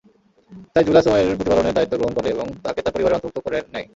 তাই জুলাস উমাইরের প্রতিপালনের দায়িত্ব গ্রহণ করে এবং তাকে তার পরিবারের অন্তর্ভূক্ত করে নেয়।